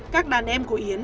các đàn em của yến